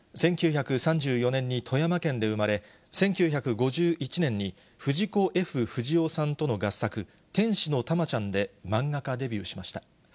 １９３４年に富山県で生まれ、１９５１年に藤子・Ｆ・不二雄さんとの合作、天使の玉ちゃんで漫画家デビューしました。